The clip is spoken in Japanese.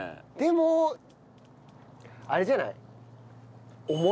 でもあれじゃない？